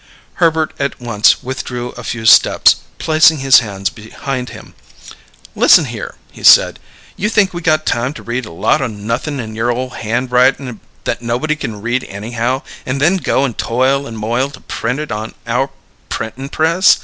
Herbert at once withdrew a few steps, placing his hands behind him. "Listen here," he said; "you think we got time to read a lot o' nothin' in your ole hand writin' that nobody can read anyhow, and then go and toil and moil to print it on our printin' press?